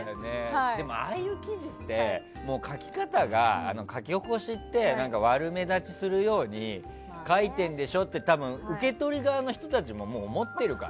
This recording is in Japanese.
でも、ああいう記事って書き方が、書き起こしって悪目立ちするように書いてるんでしょって多分、受け取り側の人たちも思ってるから。